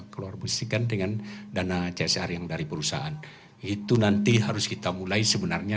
keluar musik kan dengan dana csr yang dari perusahaan itu nanti harus kita mulai sebenarnya